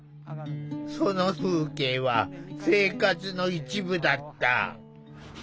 その風景は生活の一部だった。